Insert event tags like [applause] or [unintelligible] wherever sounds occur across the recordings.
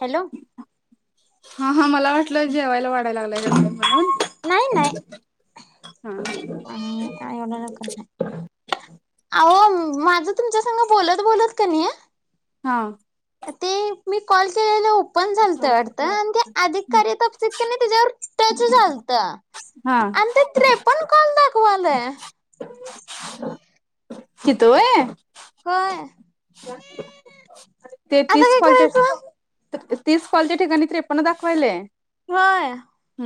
Hello हा हा मला वाटलं जेवायला वढाय लागलाय वाटतं म्हणून नाही, नाही हम का एवढ लवकर नाही अहो माझं तुमच्या सग बोलत, बोलत क नाही ह ते मी कॉल केलेले पण झालत वाटतं हा आणि ते अधिकारी बघतेत कानाइ टच झालत हा अन ते त्रेपनं कॉल दाखवायल्य हित होय होय ते आता तीस काय कॉलच्या करायचं तीस कॉलच्या ठिकाणी त्रेपणणा दाखवायलय होय ह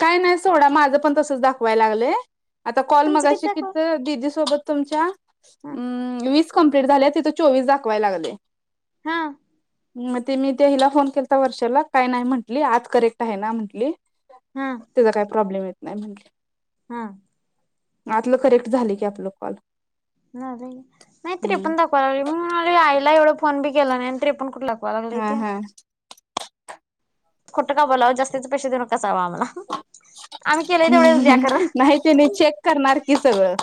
काय नाही सोडा माझं पण तसच दाखवाय लागलंय आता कॉल तुमचं किती मगाशी दाखव तिथं दिदी सोबत तुमच्या हम्म विस कंप्लीट झाल्यात तिथं चोवीस दाखवाय लागलय हा म ते मी हिला फोन केलाता वर्षाला काय नाही म्हटली आज करेक्ट आहे ना म्हटली. त्यांचा काय प्रॉब्लेम नाही म्हटली. हाअ्ं. आतलं करेक्ट झाले की आपलं कॉल ना नाहीत तरी हम्म पण दाखवाय लाग म आईला फोन बी केला नाही तरी कुठं. लागलय हअ्ं ते हअ्ं. खोटं का बोलावं जास्तीचे पैसे देऊन कसावां आम्हाला आम्ही केलंय तेवढेच द्या खरं नाही त्यानी चेक करणार की सगळं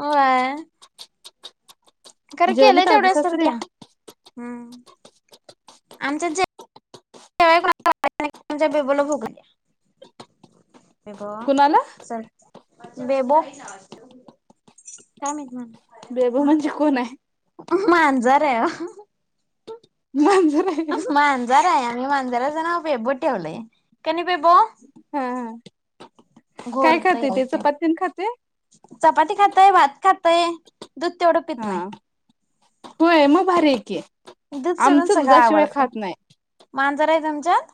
होय. खरं केलंय जेवलीत आज तेवढ्या तर द्या. सासऱ्या आमच्यात जे [unintelligible] [unintelligible] कुणाला बेबो काय माहिती बेबी म्हणजे कोण हाय? [inaudible] मांजर हाय व्हय. ओ मांजर आहे आम्ही मांजराचं नाव बेबो ठेवलंय कणी बेबो हां हां. काय घोरतय खाते हाय ते चपात तेन खाते चपाती खाताय भात खाताय. दूध तेवढं पित हा नाही. होय मग भारी आहे की, दूध सोडून आमचं सगळं दुधाशिवाय आवडते खात नाही मांजर आहे तुमच्यात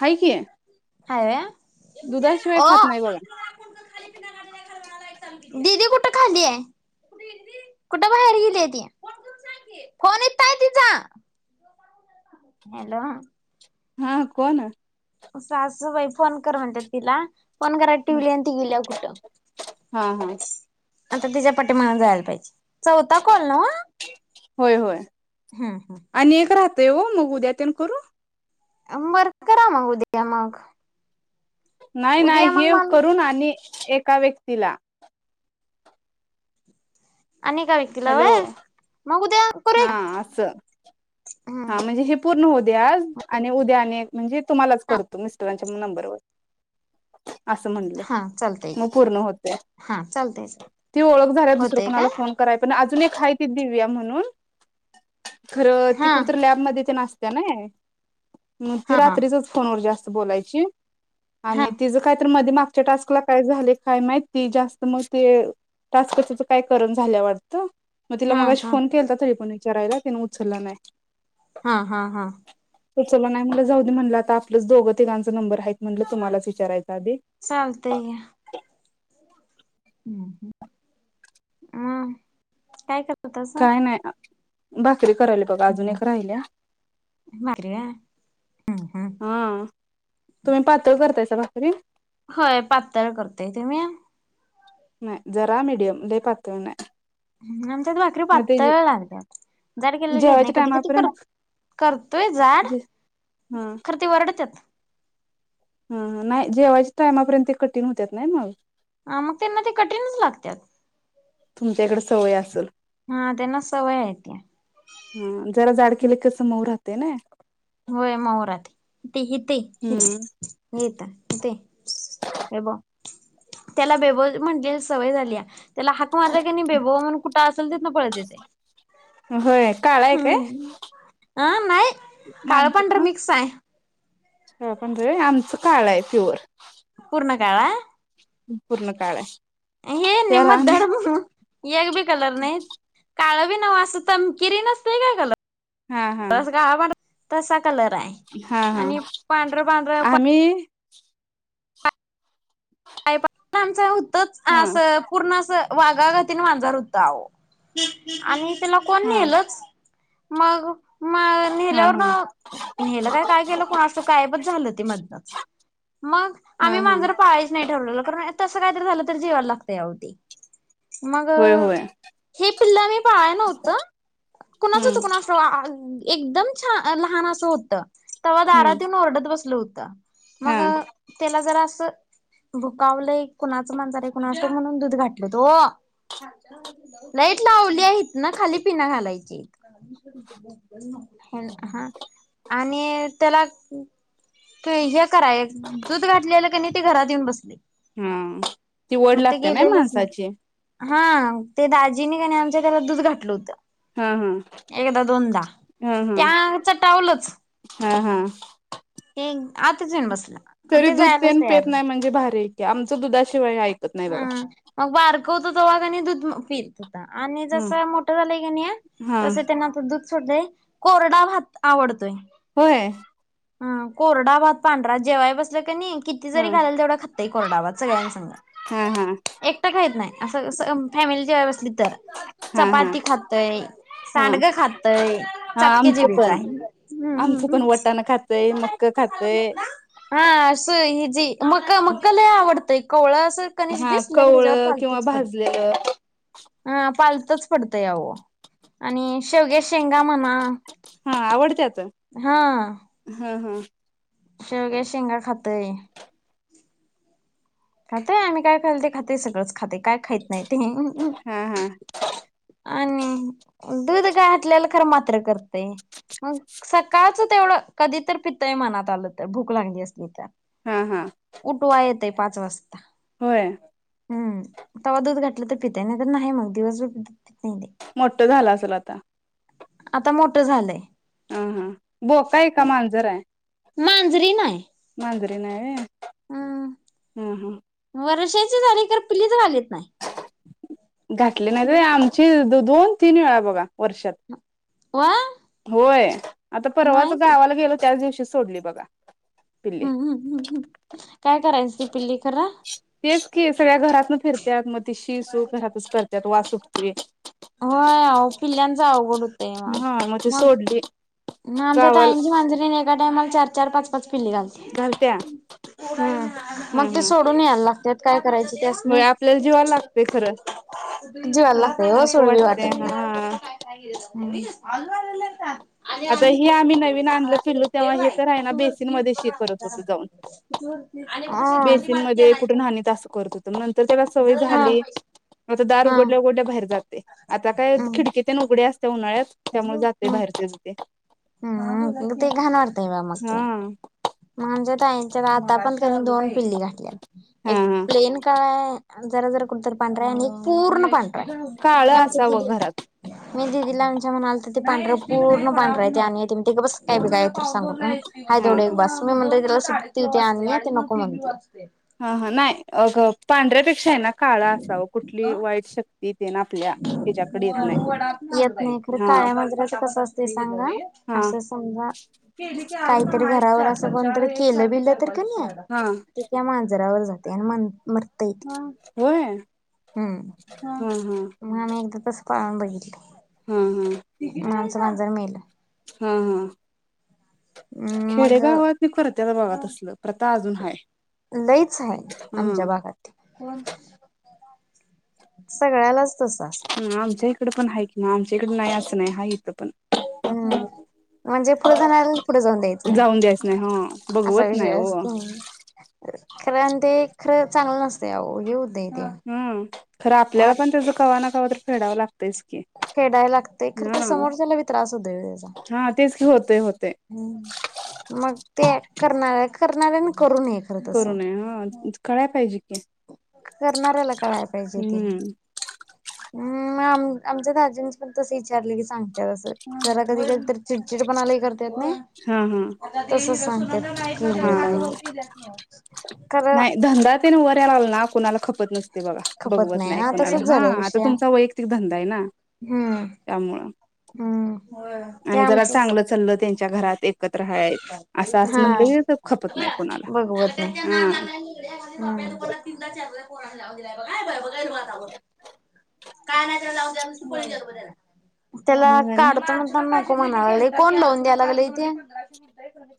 हाय की. हाय होय. दुधाशिवाय खात नाही बघा. दीदी कुठं खाली हाय कुठं बाहेर गेलीय ती फोन हित हाय तिचा हॅलो. हा कोण? सासूबाई फोन कर म्हणतात तिला फोन घरात हा ठेवली या ती गेली कुठं हा आता तिच्या पाठीमागणं. झालं पाहिजे. चौथा कॉल नव्ह होय हुं हुं. तय ओ मग उद्यातेन करू. बरं करा मग उदया मग, नाही, नाही उद्या मग हे मला करून आणि एका व्यक्तीला आणि ऐका व्यक्तीला हॅलो व्हय, मग उद्या हा करुया. असं हा म्हणजे हे पूर्ण हो दया आज आणि उद्या आणि म्हणजे तुम्हालाच हा करतो मिस्टरांच्या नंबरवर. असं म्हणलं हा चालतंय मग पूर्ण होतय. हा चालतंय ती ओळख झाल्या, दुसरं होतय का कुणाला फोन कराय पण अजून एक हा ती दिव्या म्हणून, खरं ती हा कुठ मध्ये तेन असत्या नई, मग ती हा हा रात्रीचच फोनवर जास्त. बोलायची. हा आणि तिज काहीतर मध्ये मा मागच्या टास्कला काय झालय काय माहिती ती जास्त मग ते टास्कच काय करना झाल्या वाटतं. मग तिला हा मगाशी हा फोन केलाता, तरी पण एक विचारायला तिन उचलला नाही. हा हा हा, सुचलं नाही मला जाऊ दे म्हटलं आता आपलंच दोघ तिघांचा नंबर आहेत. म्हटलं तुम्हालाच विचारायच आधी, चालतंय मग काय करता? काय नाही. बस. भाकरी करायला बघा, अजून एक राहिल्या. भाकरी व्हय हम्म हम्म. हा तुम्ही पातळ करतायसा भाकरी. [unintelligible] होय. पातळ करतोय तुम्ही, नाही, जरा मीडियम लई पातळ नाही. आमच्यात भाकरी मग ते पातळ लागत्यात जाड केलेलं खात नाही जेवायच्या कधी कधी कर टायमापर्यंत करतोय जाड हा खरं ते वरडत्यात. हा नाही जेवायच्या टायमापर्यंत ते कठीण होत्यात, नाय मग हा मग तेना ते कठीणच लागत्यात. तुमच्या इकड सवय असल. हा त्यांना सवय आहे ती. हा जरा जाड केले कस मऊ राहत्या. ते नई. होय मऊ राहती. इथं ये, ये हम्म हित ये बेबो त्याला बेबो म्हटल सवय झाल्या त्याला हाक मारला की नाही बेबो म्हणून कुठं असेल तितन पळून येतंय. होय, काळा हाय काय. काळ पांढर मिक्स आहे. पांढर होय आमचं काळ आहे प्युअर पूर्ण काळ हाय. पूर्ण काळ हाय. [unintelligible] काळ बी नव्ह अस तपकीरी नसतय काय हा हा कलर [unintelligible] तसं. कलर आहे हा हा आणि पांढरं पांढरं. आम्ही [unintelligible] तरच हा असं पूर्ण असं. वाघा गतीन मांजर होत आहो आणि तेला कोण हा नेलच मग मग हा हा नेल्यावरन नेलं काय काय केलं कणा असं कायबच झालं ती मधनच मग हा आम्ही हा मांजर पाळायच. नाही ठरवलेल खर तस काय झाल तर ते जीवाला लागतय आहो ते मग होय होय हे पिल्ल मी पाहाय नव्हतं कुणाचं हो त हम्म कुणाच ठाऊक. एकदम छान लहान असं होतं. तेव्हा हम्म दारात येऊन आरडत बसल होतं. [unintelligible] मग हा त्याला जरा अस. [unintelligible] भुकावलं एक कुणाच मांजर आहे कुणाचं ठाऊक म्हणून [unintelligible] ते घरात येऊन बसले. हा ती वड मग ते लागते ना गेलेलंच नाही. माणसाची हा ते दाजीने आमच्या त्याला दूध घातलं होतं. हा हा एकदा दोनदा हा हा त्या चटावलच. हा हा. ते आताच येन बस. तरी दूध पन पेत नाही म्हणजे भारी आहे आमच दुधा [unintelligible] हम् मग बारकं होत, तेव्हा कणि दूध पी आणि हम्म जसं मोठं झालंय, कणी हा तस त्यांना दुध सोडजाई [unintelligible] कोरडा भात आवडतोय. होय. हा कोरडाभात पांढरा जेवाय बसलं कनी. किती जरी हम्म घालल तेवढा खा खातयं कोरड भात सगळ्यासंग. हा हा एकट खाईत नाही, असं स फॅमिली जेवा बसली तर हा हा चपाती खातय, हा सांडक खातय, हा चाटक्या आमचं पण जीभचं आमचं पण वटाणा खातय हाय, मक्क खातय हं अस मक मक लयं आवडतय. कोळस कणीस हा दिसलं की, त्याच्यावर कवळं किंवा पालतच पडत भाजलेलं हं, पालतच पडतं आहो. आणि शेवग्याच्या शेंगा म्हणा हा आवडत्यात हा [inaudible] शेवग्या शेंगा खातय खातय आम्ही, काय खाइल ते खातय, सगळंच खातय. काय खाईत नाही हा ते. हा आणि दूध घातल्याल खर मात्र करतेय, मग सकाळच तेवढं कधी तर पितयं मनात आलं तर भूक लागली असली तर हा हा उठवाय येतय. पाच वाजता. होय. हम तवा दूध घातलं तर पितय, नाही तर नाही मग दिवसभर पित नाही ते मोठ झाल असेल आता. आता मोठ झालंय. ह हा बो काय का मांजरा आहे. मांजरीन हाय. [unintelligible] हम्म हा हा वरशी झाली [unintelligible] खर पिल्लीच घालीत नाय. घातली नाही [unintelligible] त व्हय, आमची दु दोन, तीन वेळा बघा वर्षात. वा होय आता परवाच नाही ती गावाला गेलो, त्याच दिवशी सोडली बघा. पिल्ली हम्म हम्म हम्म काय त्यांची पिल्ली करा तेच सगळ्या घरातानं कुठली फिरतीयात मग शी - सु घरातच करत वास सुटतोय होय आहों पिल्ल्यांच अवघड होतय. हां म ती सोडली म आमच्या गावाला ताईंची मांजरीन एकाठिकाण टाईमाला चार चार पाच पाच पिल्ली घालते घालत्या हम्म हा मग ते हा सोडून यायला लागतात काय करायच होय त्यासंनी, आपल्याला जीवाला लागतय खरं जिवाला न लागतय हो नको सोडू बी वाटतय वाटत हा नाही. का आता हे आम्ही नवीन आणलं पिल्लु तेव्हा हे तर आहेना बेसिन मध्ये शि करत होत जाऊन, बेसिन मध्ये कुठ नान्हीत असं करत होत नंतर त्याला सवय हा. झाली हा आता दार उघडल्या हम्म उघडल्या बाहेर जात आता काय खिडकीतेन उघड घडी असल त्या उन्हाळ्यात त्यामुळे जाते बाहेरच हं ते घाण वाटतंय बाई आम्हासनी हा म्हणजे ताईंच्यात आता पण‌ क् दोन पिल्ली घातल्यात हा एक हा प्लेन काळा आहे जरा जरा कुठतर पांढरा आहे आणि पूर्ण‌ पां काळ ही आमची असावं दीदी आहे, घरात माहिती आहे का? तिला आमच्या म्हणाल तर ते पांढर पूर्ण पांढरा येते आणि गबस काय बी काय सांगु नकोस आहे हा तेवढे एक हा बास. म्हणल तिला सुट्टी होती आणली ती नको म्हणाली. हं हं नाही अग पांढऱ्यापेक्षा क्षा आहे ना काळा असावा कुठली वाईट शक्ती ते ना आपल्या ह्याच्याकडे येत नाही येत नाही खर हा काळया मांजरच कस असते सांगा हा असं समजा काहीतरी घरावर असं कोणतरी केलं बिल तर कणी हा ते काय माण जरा वर जाते आणि म्हणते ताई ते होय हम्म हा म नेमकं तस हम्म बघितले हम्म हम्म. हां जमेल. हं हं. मग खेडेगावात बी करत्यात, बघा तसलं प्रथा अजून- हाय. लईच हाय, आमच्या हा भागात. सगळ्यालाच - ह, आमच्या इकड पण हायेत ना, आमच्या इ- नाइ असं नाही हाय इथं पण. हम्म म्हणजे पुढ जाणाऱ्याला पुढ जाऊन द्यायचं नाही जाऊन द्यायचं नाही हा असा बघवत विषय नाही हो असतो. कारण ते खरं चांगलं नसतय, आहो हे होतय. ह खरं आपल्याला पण त्याच कवाना कवा- फेडाव लाग- फेडाय लागतय खरं ते समोरच्यालाबी त्रास होतोय व्ह त्याचा. हा तेच की होतय होतय हं - मग. ते करणाऱ्या करणाऱ्याने करू नये. खरं करू तसं. नये हं [unintelligible] कळाया पाहिजे. की करणाऱ्याला कळाया पाहिजे ते. हम्म हम्, आम आमच्या दाजेंची पण तस विचारले की सांगत्याय असं, जरा कधी कधी तर चिडचिड पना लय कर हा हा [unintelligible] तस हा सांगत्यात हा [unintelligible] खर- नाही धंदा ते न वर यायला ना कुणाला खपत नस- ते बघा बघवत नाई हा कुणाला, तसंच झालंय हा- आता विषय तुमचा वैयक्तिक धंदा ये ना हम्म. त्यामुळं हम्म ते आणि जरा आमचंच चांगलं चाललं ते - च्या घरात एक - हा, खपत नाही कोणाला बघवत नाही, हं हा [unintelligible] त्याला मग आणि काढतो मुद्दाम म. त म्हणाले लई ताण लावून द्यायला लागले इथे. [inaudible]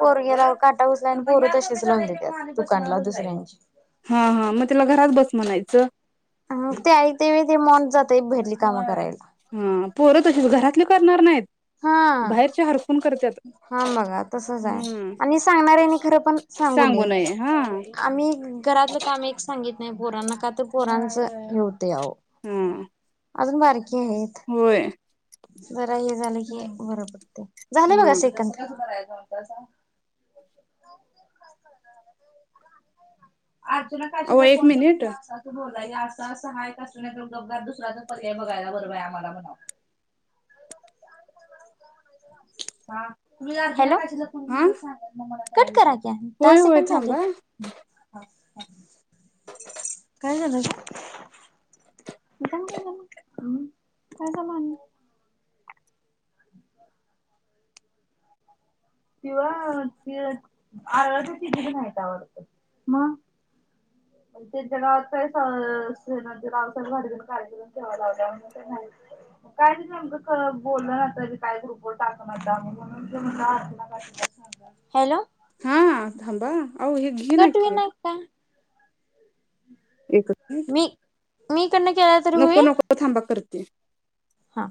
पोरगेला [unintelligible] आण पोर तशीच लावून देत्यात दुकानला दुसऱ्यांची. हा हा म तिला घरात बस म्हणायचं. [unintelligible] हा, पोरं तशीच घरातले करणार नाहीत. हा बाहेरचे हरकून करत्यात हम बघा तसच आहे हम्म आणि सांगणार यांनी खरं पण सांगू नये, आम्ही घरातलं काम एक सांगित पोरांना का तर पोरांच हे होतय आहो हा आजून बारकी आहेत. होय जरा हे झालं क [unintelligible] झाले हा बघा सेकंद. [unintelligible] अर्जुना [unintelligible] अहो एक मिनिट असं असं [unintelligible] म्हणजे असं असं हाय [unintelligible] गपगार दुसरे पर्याय बघायला बरं आम्हाला, हॅलो. हा [unintelligible] कट करा. दहा होय होय सेकंद झाले थांबा त. [inaudible] काय झालं ग [unintelligible] [unintelligible] हॅलो. हा हा थांबा. आहो हे घी ना कट की. होईना का एक. मी मी. [unintelligible] न केला तरी होईल. ते. हा.